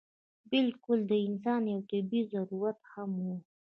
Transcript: بلکې دا د انسان یو طبعي ضرورت هم و.